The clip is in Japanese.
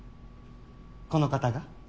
この方が？